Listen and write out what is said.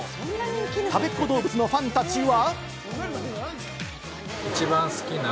たべっ子どうぶつのファンたちは。